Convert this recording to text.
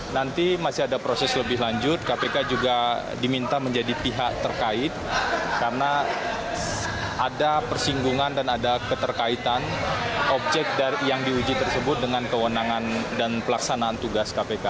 nanti masih ada proses lebih lanjut kpk juga diminta menjadi pihak terkait karena ada persinggungan dan ada keterkaitan objek yang diuji tersebut dengan kewenangan dan pelaksanaan tugas kpk